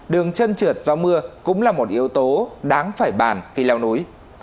đường chân trượt do mưa cũng là một yếu tố đáng phải bàn khi leo núi